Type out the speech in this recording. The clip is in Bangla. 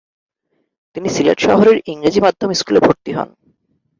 তিনি সিলেট শহরের ইংরেজি মাধ্যম স্কুলে ভর্তি হন।